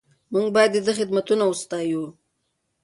موږ باید د ده خدمتونه وستایو.